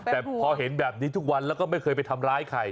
แต่พอเห็นแบบนี้ทุกวันแล้วก็ไม่เคยไปทำร้ายใคร